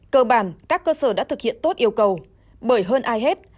cơ bản các cơ sở đã thực hiện tốt yêu cầu bởi hơn ai hết